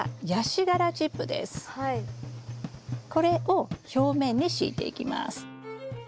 こちらはこれを表面に敷いていきます。